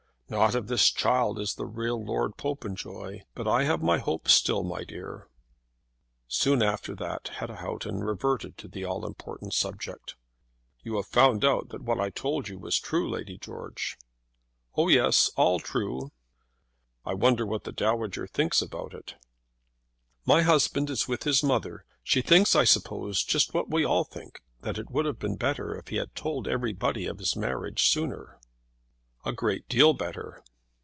"Not if this child is a real Lord Popenjoy. But I have my hopes still, my dear." Soon after that Hetta Houghton reverted to the all important subject. "You have found out that what I told you was true, Lady George." "Oh yes, all true." "I wonder what the Dowager thinks about it." "My husband is with his mother. She thinks, I suppose, just what we all think, that it would have been better if he had told everybody of his marriage sooner." "A great deal better."